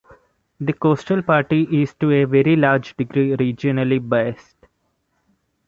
The Coastal Party is to a very large degree regionally based.